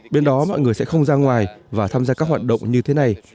bên đó mọi người sẽ không ra ngoài và tham gia các hoạt động như thế này